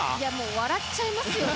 笑っちゃいますよね。